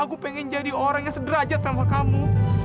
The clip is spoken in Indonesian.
aku pengen jadi orang yang sederajat sama kamu